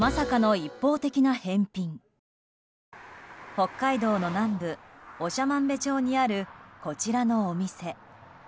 北海道の南部、長万部町にあるこちらのお店。